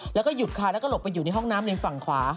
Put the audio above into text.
แล้วก็หยุดค่ะแล้วก็หลบไปอยู่ในห้องน้ำในฝั่งขวา